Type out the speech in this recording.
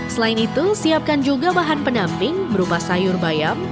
selain itu siapkan juga bahan pendamping berupa sayur bayam